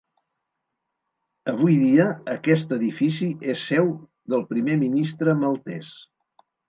Avui dia, aquest edifici és seu del primer ministre maltès.